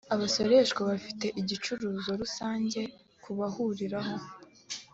abasoreshwa bafite igicuruzo rusange kubahuriraho.